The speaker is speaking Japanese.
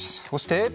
そして。